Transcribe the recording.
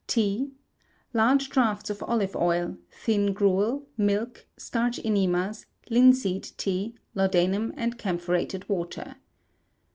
T. Large draughts of olive oil; thin gruel, milk, starch enemas, linseed tea, laudanum, and camphorated water.